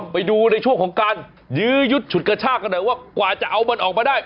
ไปดูในช่วงของการยื้อยุดฉุดกระชากกันหน่อยว่ากว่าจะเอามันออกมาได้